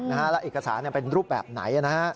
แล้วเอกสารเป็นรูปแบบไหน